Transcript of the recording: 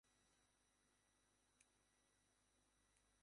বেশ মনের মতো করে চিঠিখানি যে লিখব এরা তা আর দিলে না।